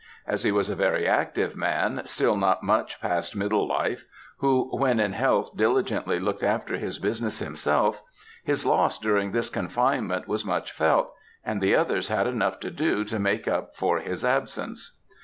As he was a very active man, still not much past middle life, who when in health diligently looked after his business himself; his loss during this confinement was much felt; and the others had enough to do to make up for his absence.